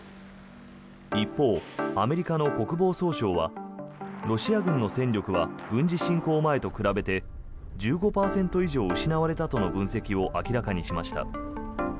一方、アメリカの国防総省はロシア軍の戦力は軍事侵攻前と比べて１５％以上失われたとの分析を明らかにしました。